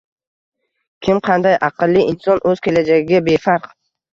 Kim, qanday aqlli inson o’z kelajagiga befarq.